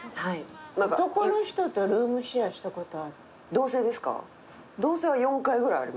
男の人とルームシェアしたことある？